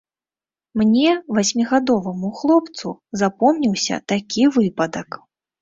Мне, васьмігадоваму хлопцу, запомніўся такі выпадак.